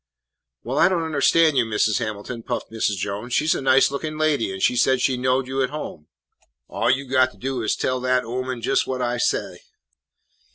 "Why, I don't understan' you, Mis' Hamilton," puffed Mrs. Jones. "She 's a nice lookin' lady, an' she said she knowed you at home." "All you got to do is to tell dat ooman jes' what I say."